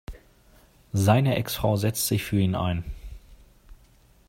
Seine Ex-Frau setzt sich für ihn ein.